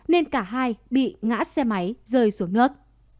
nên cả hai bị ngã xe máy rơi xuống nước